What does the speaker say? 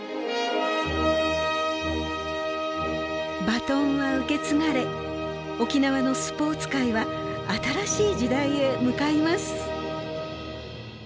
バトンは受け継がれ沖縄のスポーツ界は新しい時代へ向かいます。